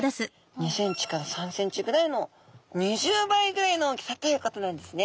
２ｃｍから３ｃｍぐらいの２０倍ぐらいの大きさということなんですね。